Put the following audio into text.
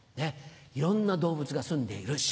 いろんな動物がすんでいる島。